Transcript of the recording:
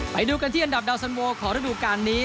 ไปดูกันที่อันดับดาวสันโวของฤดูการนี้